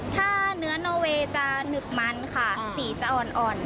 ถ้าเนื้อโนเวย์จะหนึบมันค่ะสีจะอ่อน